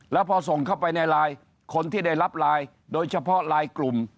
แล้วพอส่งเข้าไปในไลน์คนที่ได้รับไลน์โดยเฉพาะไลน์กลุ่ม